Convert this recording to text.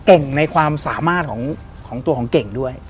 เก่งในความสามารถของตัวของเก่งด้วย